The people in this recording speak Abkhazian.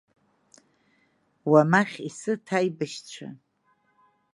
Уамахь исыҭ аибашьцәа!